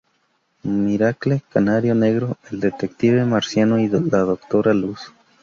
Miracle, Canario Negro, el Detective Marciano, y la Doctora Luz.